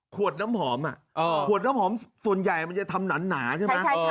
ขวดน้ำหอมขวดน้ำหอมส่วนใหญ่มันจะทำหนาใช่ไหม